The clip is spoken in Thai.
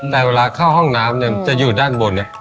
แต่เวลาเข้าห้องน้ำเนี่ยจะอยู่ด้านบนเนี่ย